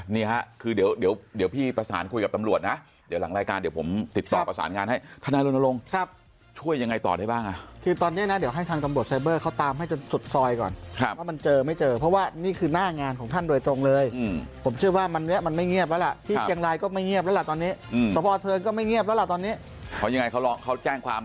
นี่ค่ะคือเดี๋ยวเดี๋ยวเดี๋ยวพี่ประสานคุยกับตำรวจนะเดี๋ยวหลังรายการเดี๋ยวผมติดต่อประสานงานให้คณะลงครับช่วยยังไงต่อได้บ้างอ่ะคือตอนนี้นะเดี๋ยวให้ทางกำบวชไซเบอร์เขาตามให้จนสดซอยก่อนครับว่ามันเจอไม่เจอเพราะว่านี่คือหน้างานของท่านโดยตรงเลยผมเชื่อว่ามันเนี้ยมันไม่เงียบแล้ว